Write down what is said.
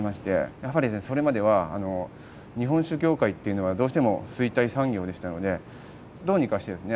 やはりそれまでは日本酒業界っていうのはどうしても衰退産業でしたのでどうにかしてですね